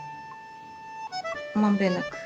まんべんなく。